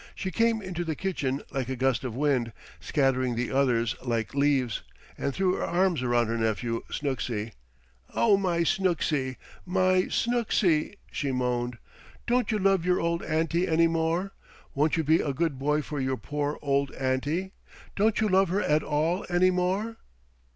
She came into the kitchen like a gust of wind, scattering the others like leaves, and threw her arms around her nephew Snooksy. "Oh, my Snooksy! My Snooksy!" she moaned. "Don't you love your old auntie any more? Won't you be a good boy for your poor old auntie? Don't you love her at all any more?"